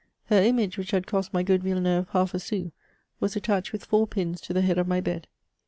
Her image which had cost my good Villeneuye half a sou, was attached with four pins to the head of my bed.